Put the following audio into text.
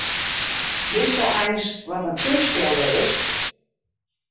Witsto eins wat in keunstskilder is?